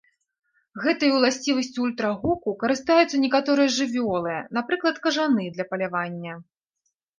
Гэтай уласцівасцю ультрагуку карыстаюцца некаторыя жывёлы, напрыклад, кажаны для палявання.